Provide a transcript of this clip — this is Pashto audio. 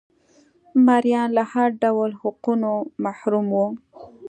مریان له هر ډول حقونو محروم وو